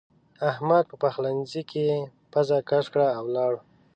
احمد په پخلنځ کې پزه کش کړه او ولاړ.